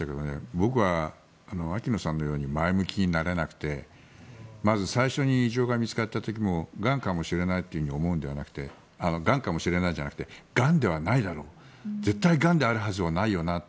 僕は秋野さんのように前向きになれなくてまず最初に異常が見つかった時もがんかもしれないと思うんじゃなくてがんかもしれないじゃなくてがんではないだろう絶対がんであるはずはないよなって